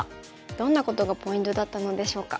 どんなことがポイントだったのでしょうか。